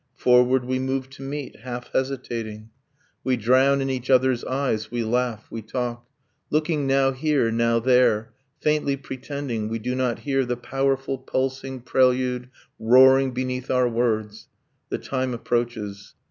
Forward we move to meet, half hesitating, We drown in each others' eyes, we laugh, we talk, Looking now here, now there, faintly pretending We do not hear the powerful pulsing prelude Roaring beneath our words ... The time approaches.